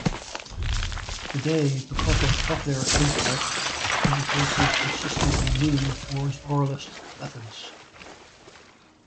Today, because of cochlear implants, education is consistently leaning towards oralist methods.